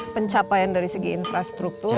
pencapaian dari segi infrastruktur